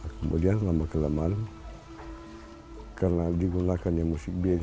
kemudian lama kelamaan karena digunakan musik biaya